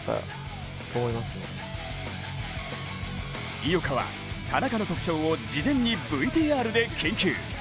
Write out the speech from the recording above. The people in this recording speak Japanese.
井岡は田中の特徴を事前にＶＴＲで研究。